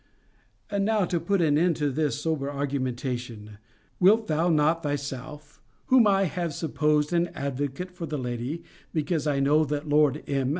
And now, to put an end to this sober argumentation, Wilt thou not thyself (whom I have supposed an advocate for the lady, because I know that Lord M.